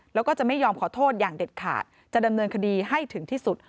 แล้วก็จะไม่ยอมขอโทษอย่างเด็ดขาดจะดำเนินคดีให้ถึงที่สุด